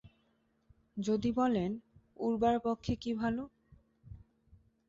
যদি বলেন, ওড়বার পক্ষে কি ভালো?